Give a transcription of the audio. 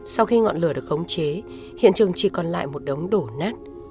sau khi ngọn lửa được khống chế hiện trường chỉ còn lại một đống đổ nát